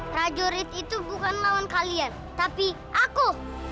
raja rit itu bukan lawan kalian tapi aku